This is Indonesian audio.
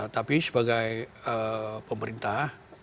tapi sebagai pemerintah